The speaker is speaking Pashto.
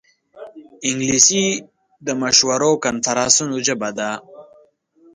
انګلیسي د مشورو او کنفرانسونو ژبه ده